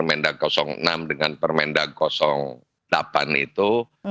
dengan permenda enam dengan permenda delapan itu